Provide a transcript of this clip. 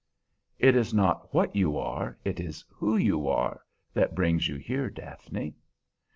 "It is not what you are, it is who you are, that brings you here, Daphne."